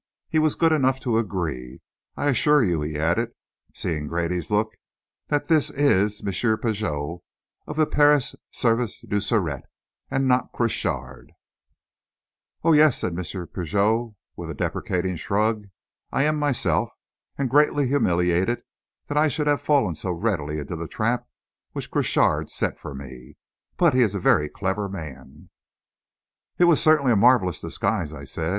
He was good enough to agree. I assure you," he added, seeing Grady's look, "that this is M. Pigot, of the Paris Service du Sûreté, and not Crochard." "Oh, yes," said M. Pigot, with a deprecating shrug. "I am myself and greatly humiliated that I should have fallen so readily into the trap which Crochard set for me. But he is a very clever man." "It was certainly a marvellous disguise," I said.